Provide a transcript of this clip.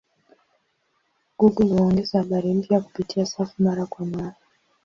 Google huongeza habari mpya kupitia safu mara kwa mara.